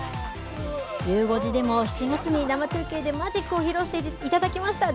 ゆう５時でも７月に生中継で、マジックを披露していただきました。